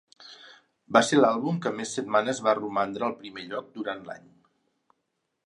Va ser l'àlbum que més setmanes va romandre al primer lloc durant l'any.